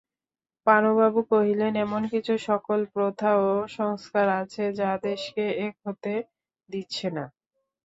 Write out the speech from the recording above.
পানুবাবু কহিলেন, এমন-সকল প্রথা ও সংস্কার আছে যা দেশকে এক হতে দিচ্ছে না।